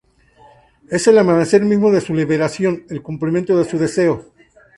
Es el amanecer mismo de su liberación, el cumplimiento de su deseo.